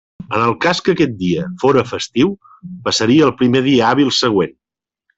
En el cas que aquest dia fóra festiu passaria al primer dia hàbil següent.